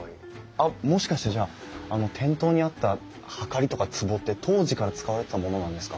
あっもしかしてじゃあ店頭にあったはかりとかつぼって当時から使われてたものなんですか？